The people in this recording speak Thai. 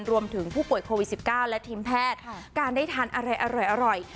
รวมถึงผู้ป่วยโควิด๑๙และทีมแพทย์การได้ทานอะไรอร่อย